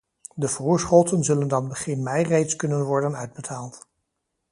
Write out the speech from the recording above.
De voorschotten zullen dan begin mei reeds kunnen worden uitbetaald.